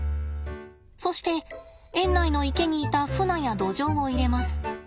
そして園内の池にいたフナやドジョウを入れます。